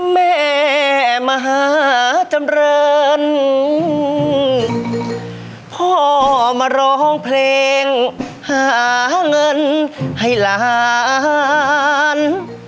แม่มหาจำเริญพ่อมาร้องเพลงหาเงินให้หลาน